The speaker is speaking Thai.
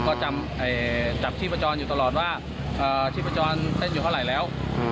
ก็จับชีพจรอยู่ตลอดว่าชีพจรเต้นอยู่เท่าไหร่แล้ว